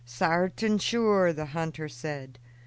"Sartin sure," the hunter said.